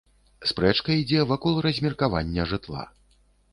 Спрэчка ідзе вакол размеркавання жытла.